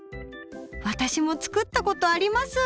私も作ったことあります！